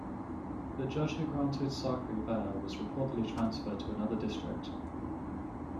The judge who granted Sarki bail was reportedly transferred to another district.